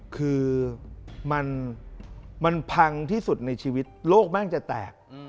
คือมันพังที่สุดในชีวิตโลกแม่งจะแตก